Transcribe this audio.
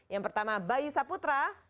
yang pertama bayu saputra